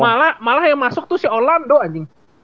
malah malah yang masuk tuh si orlando anjing